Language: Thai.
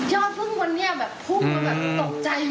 ยอดภึงวันนี้แบบพุ่งแล้วแบบตกใจมาก